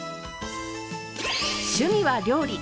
趣味は料理。